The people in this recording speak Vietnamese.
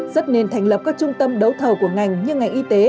rất nên thành lập các trung tâm đấu thầu của ngành như ngành y tế